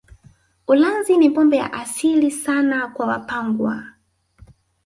Ulanzi ni pombe ya asili sana kwa Wapangwa